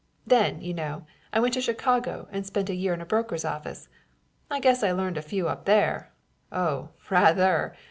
Then, you know, I went to Chicago and spent a year in a broker's office, and I guess I learned a few up there. Oh, rather!